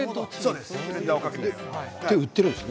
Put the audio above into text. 売っているんですね。